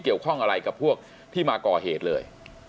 เกี่ยวข้องอะไรกับพวกที่มาก่อเหตุเลย